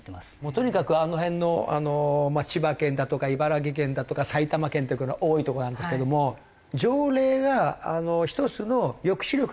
とにかくあの辺の千葉県だとか茨城県だとか埼玉県とかが多いとこなんですけども条例が１つの抑止力にはなってるんですよね。